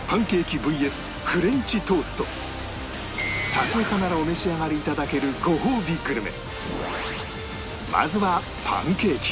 多数派ならお召し上がり頂けるごほうびグルメ